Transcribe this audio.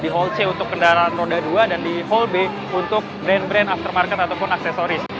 di hall c untuk kendaraan roda dua dan di hall b untuk brand brand aftermarket ataupun aksesoris